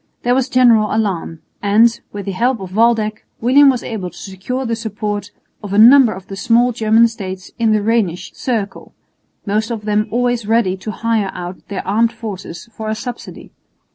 There was general alarm; and, with the help of Waldeck, William was able to secure the support of a number of the small German states in the Rhenish circle, most of them always ready to hire out their armed forces for a subsidy.